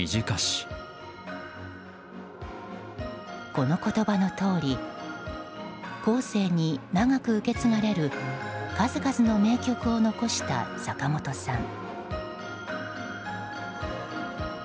この言葉のとおり後世に長く受け継がれる数々の名曲を残した坂本さん。